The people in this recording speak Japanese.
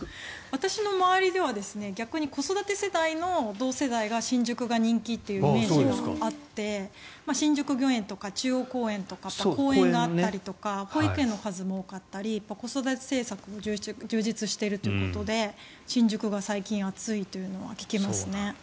私の周りでは逆に子育て世代の同世代が新宿が人気というイメージがあって新宿御苑とか中央公園とか公園があったりとか保育園の数も多かったり子育て政策も充実しているということで新宿が最近、熱いというのは聞きますね。